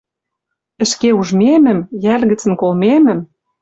Ӹшке ужмемӹм, йӓл гӹцӹн колмемӹм